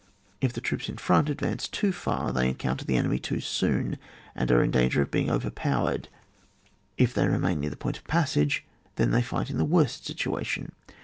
If the troops in front advance too far, they encounter the enemy too soon, and are in danger of being overpowered ; if they remain near the point of passage then they fight in the worst situation.